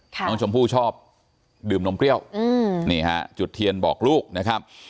น้องชมพู่ชอบดื่มนมเปรี้ยวนี่ฮะจุดเทียนบอกลูกนะครับ